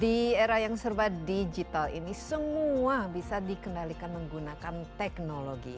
di era yang serba digital ini semua bisa dikendalikan menggunakan teknologi